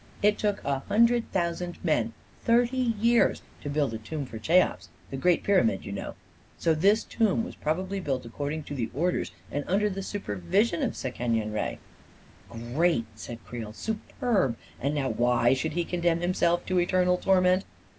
It took a hundred thou sand men thirty years to build a tomb for Cheops — the great pyramid, you know. So this tomb was probably built according to the orders and under the supervision of Sekenyen Re." " Great !" said Creel. " Superb ! And now why should he condemn himself to eternal torment?